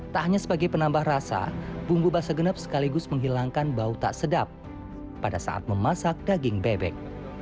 tak hanya sebagai penambah rasa bumbu basa genep sekaligus menghilangkan bau tak sedap pada saat memasak daging bebek